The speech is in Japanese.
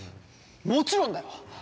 もちろんだよ。